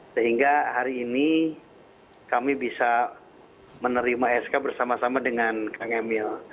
sehingga hari ini kami bisa menerima sk bersama sama dengan kang emil